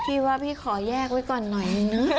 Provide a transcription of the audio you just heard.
ดีกว่าพี่ขอแยกไว้ก่อนหน่อยหน่อย